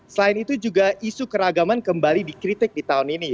selain itu juga isu keragaman kembali dikritik di tahun ini